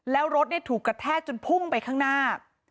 แล้วรถถูกกระแทกจนพุ่งไปข้างหน้า